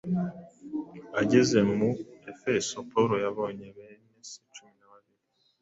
Ageze mu Efeso, Pawulo yabonye bene se cumi na babiri,